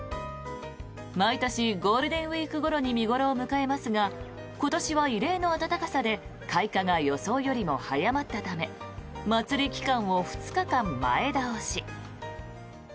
毎年、ゴールデンウィークごろに見頃を迎えますが今年は異例の暖かさで開花が予想よりも早まったため祭り期間を２日間前倒し。